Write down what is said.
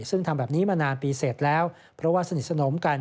ซึ่งทำแบบนี้มานานปีเสร็จแล้วเพราะว่าสนิทสนมกัน